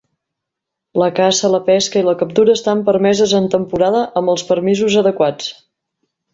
La caça, la pesca i la captura estan permeses en temporada amb els permisos adequats.